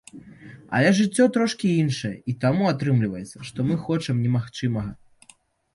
Але жыццё трошкі іншае, і таму атрымліваецца, што мы хочам немагчымага.